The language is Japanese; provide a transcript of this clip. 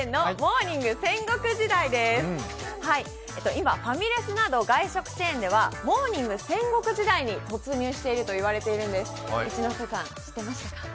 今、ファミレスなど外食チェーンではモーニング戦国時代に突入しているといいます一ノ瀬さん、知ってましたか？